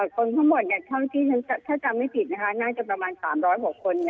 คนทั้งหมดเท่าที่ถ้าจำไม่ผิดนะคะน่าจะประมาณ๓๐๐กว่าคน